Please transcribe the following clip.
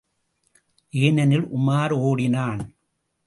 ஏனெனில் உமார் ஓடினான்.